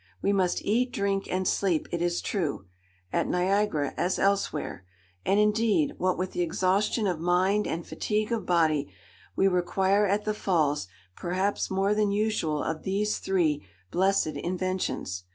We must eat, drink, and sleep, it is true, at Niagara as elsewhere; and indeed, what with the exhaustion of mind and fatigue of body, we require at the Falls perhaps more than usual of these three "blessed inventions."